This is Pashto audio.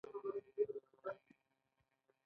دا عقل باید له هر ډول هوس څخه فارغ وي.